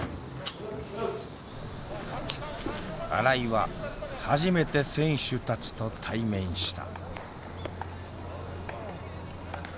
新井は初めて選手たちと対面した。